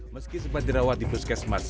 meski sempat dirawat di puskesmas